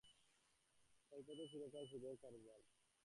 কল্পে তো চিরকাল সুদের কারবার!